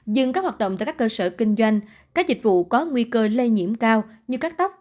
dừng các hoạt động tại các cơ sở kinh doanh các dịch vụ có nguy cơ lây nhiễm cao như cắt tóc